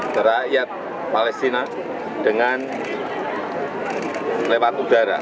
ke rakyat palestina dengan lewat udara